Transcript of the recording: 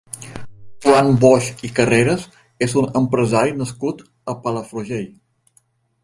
Joan Boix i Carreras és un empresari nascut a Palafrugell.